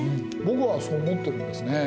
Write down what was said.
僕はそう思ってるんですね。